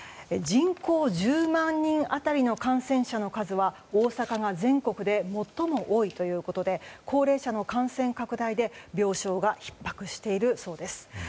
人口１０万人当たりの感染者の数は大阪が全国で最も多いということで高齢者の感染拡大で病床がひっ迫しているそうです。